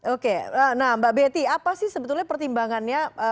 oke nah mbak betty apa sih sebetulnya pertimbangannya